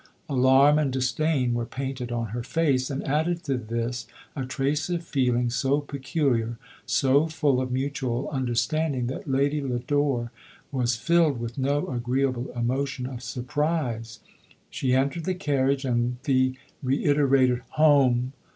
Alarm and disdain were painted on her face, and added to this, a trace of feeling so peculiar, so full of mutual understanding, that Lady Lodore was filled with no agreeable emo tion of surprise. She entered the carriage, and the reiterated " Home